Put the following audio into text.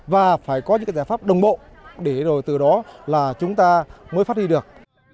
và phải có những giải pháp đồng bộ để từ đó là chúng ta mới phát đi được